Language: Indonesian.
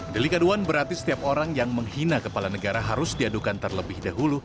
delik aduan berarti setiap orang yang menghina kepala negara harus diadukan terlebih dahulu